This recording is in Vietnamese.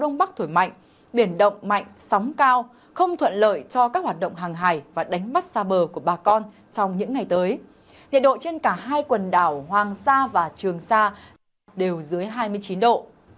nhiệt độ trên cả hai quần đảo hoàng sa và trường sa đều dưới hai mươi chín độ